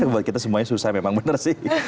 buat kita semuanya susah memang benar sih